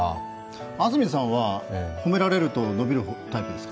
安住さんは、褒められると伸びるタイプですか？